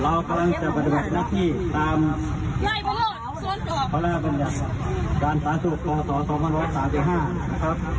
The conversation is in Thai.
เรากำลังจะปฏิบัติหน้าที่ตามพร้อมการสาธารณสุขภาษาสองพันวะสามสี่ห้านะครับ